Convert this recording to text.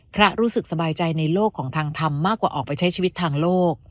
รู้สึกสบายใจในโลกของทางธรรมมากกว่าออกไปใช้ชีวิตทางโลก